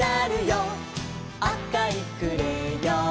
「あかいクレヨン」